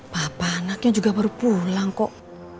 papa anaknya juga baru pulang kok